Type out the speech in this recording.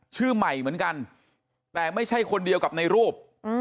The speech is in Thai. ชื่อใหม่เหมือนกันแต่ไม่ใช่คนเดียวกับในรูป